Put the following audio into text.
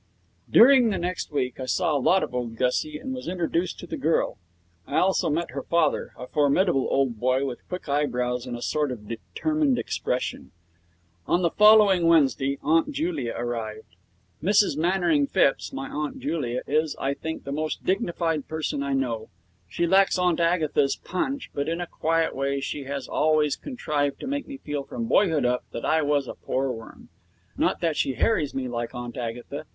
During the next week I saw a lot of old Gussie, and was introduced to the girl. I also met her father, a formidable old boy with quick eyebrows and a sort of determined expression. On the following Wednesday Aunt Julia arrived. Mrs Mannering Phipps, my aunt Julia, is, I think, the most dignified person I know. She lacks Aunt Agatha's punch, but in a quiet way she has always contrived to make me feel, from boyhood up, that I was a poor worm. Not that she harries me like Aunt Agatha.